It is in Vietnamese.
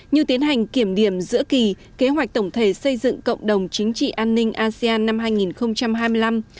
như tiến hành kiểm điểm giữa kỳ kế hoạch tổng thể xây dựng cộng đồng chính trị an ninh asean năm hai nghìn hai mươi năm